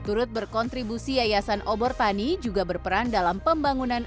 turut berkontribusi yayasan obor tani juga berperan dalam pembangunan